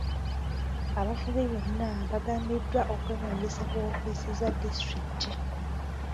Abavubi bonna baagambidwa okwewandiisa ku woofiisi za disitulikiti.